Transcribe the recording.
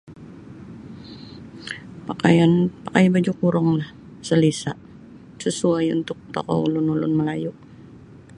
Pakaian pakai baju kurunglah selesa' sesuai untuk tokou ulun-ulun Melayu'.